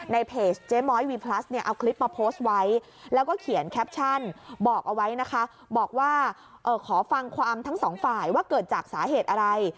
ในเพจเจ๊ม้อยวีพลัสเนี่ยเอาคลิปมาโพสต์ไว้แล้วก็เขียนแคปชั่นบอกเอาไว้นะคะบอกว่าขอฟังความทั้งสองฝ่ายว่าเกิดจากสาเหตุอะไร